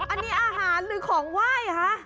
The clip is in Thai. อันนี้อาหารหรือของไหว้คะ